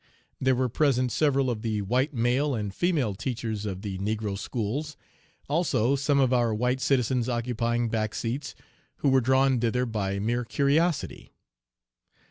There were present several of the white male and female teachers of the negro schools; also, some of our white citizens occupying back seats, who were drawn thither by mere curiosity.